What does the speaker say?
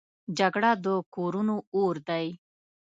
جګړه د کورونو اور دی